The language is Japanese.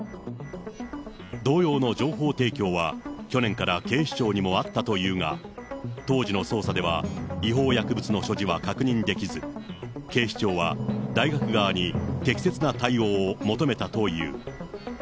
同様の情報提供は、去年から警視庁にもあったというが、当時の捜査では違法薬物の所持は確認できず、警視庁は大学側に適切な対応を求めたという。